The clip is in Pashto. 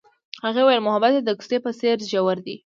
هغې وویل محبت یې د کوڅه په څېر ژور دی.